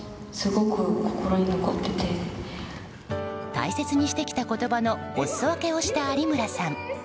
大切にしてきた言葉のお裾分けをした有村さん。